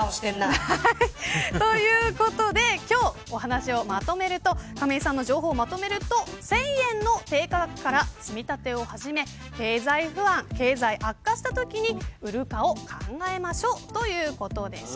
ということで今日のお話をまとめると亀井さんの情報をまとめると１０００円の低価格から積み立てを始め経済悪化したときに売るかを考えましょうということでした。